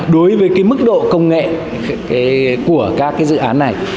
đối với cái mức độ công nghệ của các cái dự án này